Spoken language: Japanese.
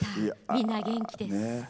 みんな元気です。